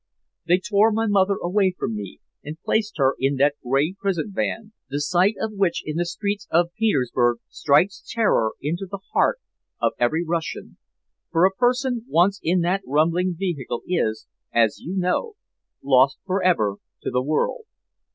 They tore my mother away from me and placed her in that gray prison van, the sight of which in the streets of Petersburg strikes terror into the heart of every Russian, for a person once in that rumbling vehicle is, as you know, lost for ever to the world.